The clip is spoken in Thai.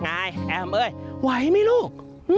ไงแอมเอ้ยไหวมั้ยลูก